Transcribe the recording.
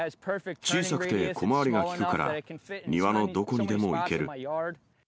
小さくて小回りが利くから、庭のどこにでも行ける。